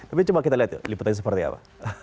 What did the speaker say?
tapi coba kita lihat liputannya seperti apa